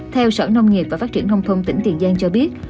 theo sở nông nghiệp và phát triển nông thôn tỉnh tiền giang cho biết